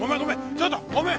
ちょっとごめん！